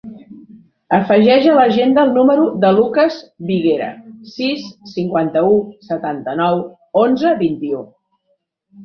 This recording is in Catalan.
Afegeix a l'agenda el número del Lucas Viguera: sis, cinquanta-u, setanta-nou, onze, vint-i-u.